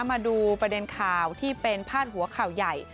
มาดูประเด็นข่าวที่เป็นพาดหัวข่าวใหญ่